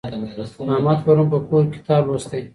احمد پرون په کور کي کتاب لوستی.